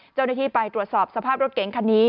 เจ้าหน้าที่ไปตรวจสอบสภาพรถเก๋งคันนี้